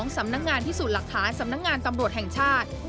สำนักงานพิสูจน์หลักฐานสำนักงานตำรวจแห่งชาติ